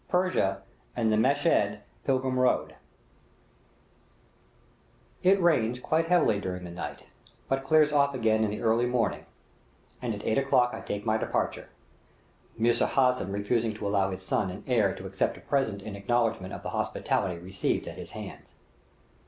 PERSIA AND THE MESHED PILGRIM ROAD It rains quite heavily during the night, but clears off again in the early morning, and at eight o'clock I take my departure, Mirza Hassan refusing to allow his son and heir to accept a present in acknowledgment of the hospitality received at his hands.